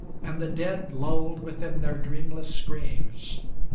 And the dead lulled within their dreamless graves.